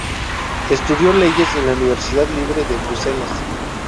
Estudió leyes en la Universidad Libre de Bruselas.